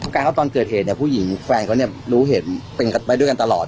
การเขาตอนเกิดเหตุเนี่ยผู้หญิงแฟนเขาเนี่ยรู้เห็นเป็นไปด้วยกันตลอด